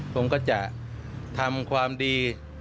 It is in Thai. ผมก็จะทำความดี